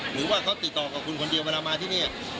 หรือว่าเขาติดต่อกับคุณคนเดียวเวลามาที่นี่